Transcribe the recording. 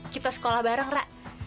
kita sekolah bareng ra